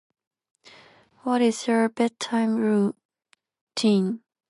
What is your bedtime routine?